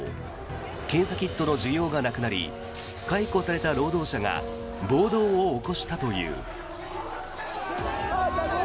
検査キットの需要がなくなり解雇された労働者が暴動を起こしたという。